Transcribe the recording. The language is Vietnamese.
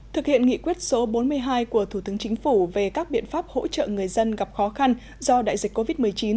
thực hiện nghị quyết số bốn mươi hai của thủ tướng chính phủ về các biện pháp hỗ trợ người dân gặp khó khăn do đại dịch covid một mươi chín